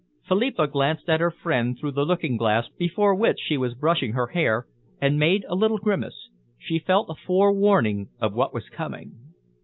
Philippa glanced at her friend through the looking glass before which she was brushing her hair, and made a little grimace. She felt a forewarning of what was coming.